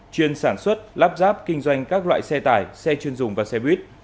chuyên sản xuất lắp ráp kinh doanh các loại xe tải xe chuyên dùng và xe buýt